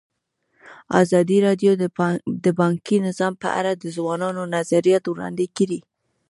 ازادي راډیو د بانکي نظام په اړه د ځوانانو نظریات وړاندې کړي.